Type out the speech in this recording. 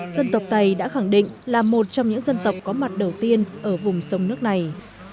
dân tộc tây đã khẳng định là một trong những dân tộc có mặt đầu tiên ở vùng sông nước này